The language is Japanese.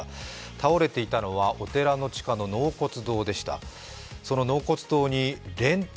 倒れていたのはお寺の地下の納骨堂でした。